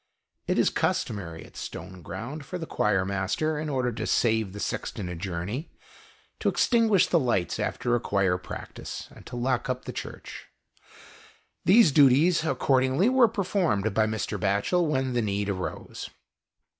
It is customary at Stone ground for the choirmaster, in order to save the sexton a journey, to extinguish the lights after a choir practice and to lock up the Church. These duties, accordingly, were performed by Mr. Batchel when the need arose.